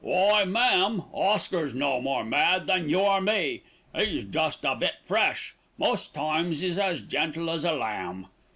"Why, ma'am, Oscar's no more mad than you or me. He's just a bit fresh. Most times he's as gentle as a lamb."